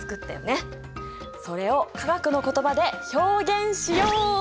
それを化学の言葉で表現しよう！